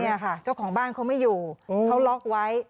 เนี่ยค่ะเจ้าของบ้านเขาไม่อยู่เขาล็อกไว้